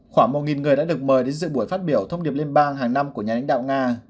khoảng một người đã được mời đến dự buổi phát biểu thông điệp liên bang hàng năm của nhà lãnh đạo nga